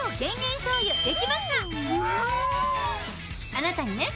あなたにね